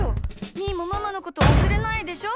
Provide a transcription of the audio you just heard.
みーもママのことわすれないでしょ？